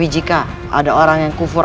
jika ada orang yang kufur